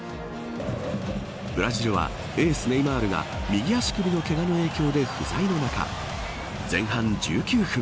ブラジルはエース、ネイマールが右足首のけがの影響で不在の中前半１９分。